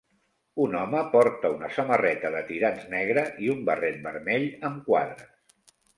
Un home porta una samarreta de tirants negra i un barret vermell amb quadres